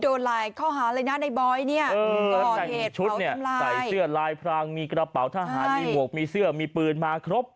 โดนหลายข้อหาเลยนะในบอยเนี่ยตอนใส่ชุดเนี่ยใส่เสื้อลายพรางมีกระเป๋าทหารมีหมวกมีเสื้อมีปืนมาครบ